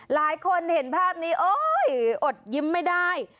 หลายคนเห็นภาพนี้โอ๊ยอดยิ้มไม่ได้